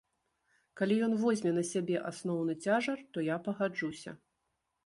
Калі ён возьме на сябе асноўны цяжар, то я пагаджуся.